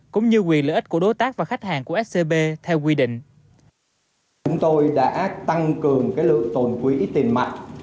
cũng như quyền lợi ích của đối tác và khách hàng của scb theo quy định